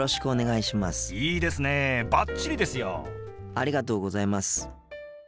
ありがとうございます。